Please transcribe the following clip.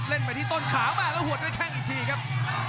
ไปที่ต้นขามาแล้วหัวด้วยแข้งอีกทีครับ